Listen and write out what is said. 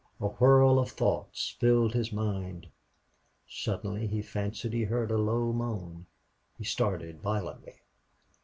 A whirl of thoughts filled his mind. Suddenly he fancied he heard a low moan. He started violently.